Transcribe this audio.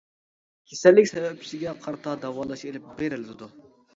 كېسەللىك سەۋەبچىسىگە قارىتا داۋالاش ئېلىپ بېرىلىدۇ.